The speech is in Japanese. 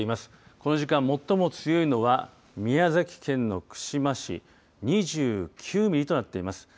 この時間最も強いのは宮崎県の串間市で２９ミリとなっています。